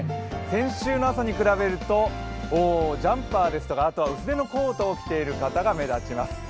先週の朝に比べるとジャンパーですとか薄手のコートを着ている方が目指します。